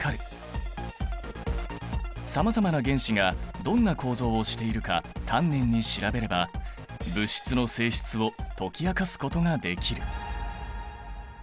さまざまな原子がどんな構造をしているか丹念に調べれば物質の性質を解き明かすことができる。